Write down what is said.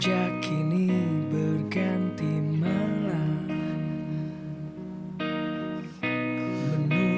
aku langsung pergi